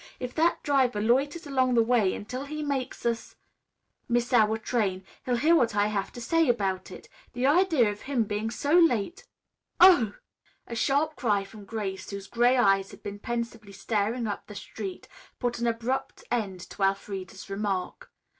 If that driver loiters along the way until he makes us miss our train, he'll hear what I have to say about it. The idea of him being so late " "Oh!" A sharp cry from Grace, whose gray eyes had been pensively staring up the street, put an abrupt end to Elfreda's remark.